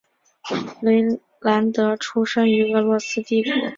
雷兰德出生于俄罗斯帝国芬兰大公国的库尔基约基的儿子。